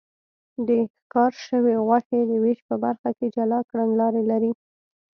د ښکار شوې غوښې د وېش په برخه کې جلا کړنلارې لري.